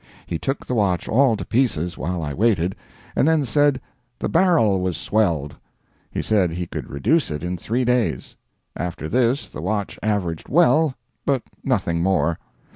He took the watch all to pieces while I waited, and then said the barrel was "swelled." He said he could reduce it in three days. After this the watch averaged well, but nothing more.